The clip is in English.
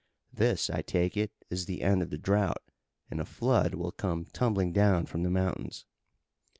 This, I take it, is the end of the drought, and a flood will come tumbling down from the mountains."